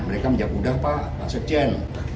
mereka menjawab sudah pak pak sekjen